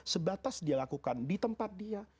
sebatas dia lakukan di tempat dia